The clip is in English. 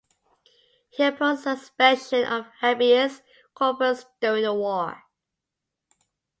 He opposed the suspension of habeas corpus during the war.